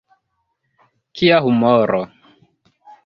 Kia humoro!